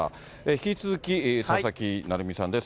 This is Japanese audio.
引き続き佐々木成三さんです。